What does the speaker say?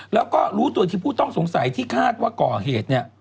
แล้วก็รู้ตัวที่ผู้ต้องสงสัยที่คาดว่าก่อเหตุเนี่ย